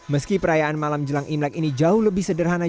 meski perayaan malam jelang imlek ini jauh lebih sederhana